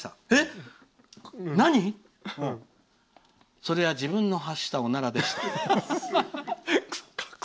それは自分の発したおならでした」。